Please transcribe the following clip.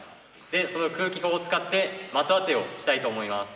その空気砲を使って的当てをしたいと思います。